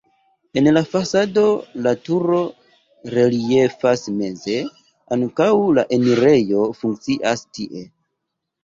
En la fasado la turo reliefas meze, ankaŭ la enirejo funkcias tie.